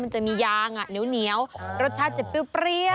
มันจะมียางเหนียวรสชาติจะเปรี้ยว